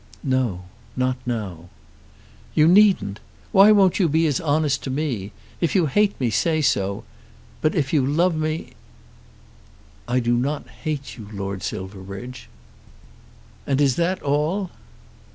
"No; not now." "You needn't. Why won't you be as honest to me? If you hate me, say so; but if you love me !" "I do not hate you, Lord Silverbridge." "And is that all?"